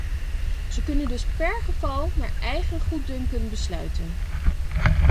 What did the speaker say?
Ze kunnen dus per geval naar eigen goeddunken besluiten.